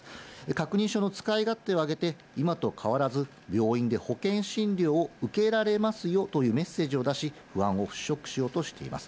確認書の使い勝手を上げて、今と変わらず、病院で保険診療を受けられますよというメッセージを出し、不安を払拭しようとしています。